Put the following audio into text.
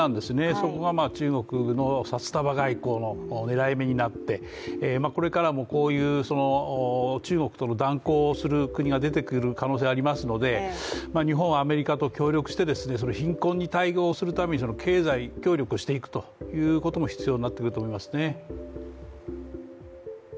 そこが中国の札束外交の狙い目になって、これからもこういう、台湾と断交する国が出てくる可能性がありますので日本はアメリカと協力して、貧困に対応するために経済協力をしていくことも必要になってくると思いますね。